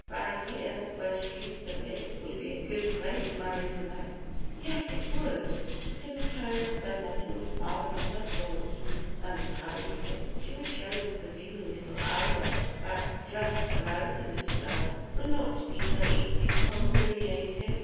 Right here, where she used to live, would be a good place, Marie Celeste." "Yes, it would," but in a tone as though nothing was farther from her thought than the telling of it. She would show this presuming little Albert that "jus' American little girls" were not to be so easily conciliated.